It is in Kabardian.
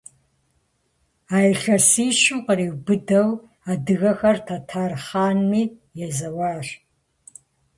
А илъэсищым къриубыдэу адыгэхэр тэтэр хъанми езэуащ.